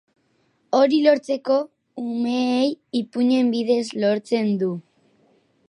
Hori lortzeko umeei ipuinen bidez lortzen du.